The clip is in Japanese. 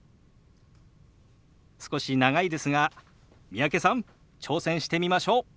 少し長いですが三宅さん挑戦してみましょう。